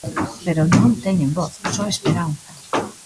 Pero non teñen voz, só esperanza.